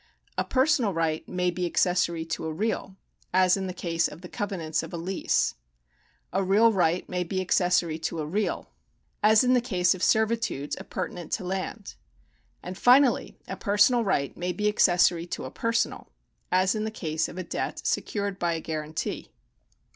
A personal right may be accessory to a real ; as in the case of the covenants ol" a lease. A real right may be accessory to a real ; as in § 84] THE KINDS OF LEGAL RIGHTS 217 the case of servitudes appurtenant to land. And finally a personal right may be accessory to a personal ; as in the case of a debt secured by a guarantee.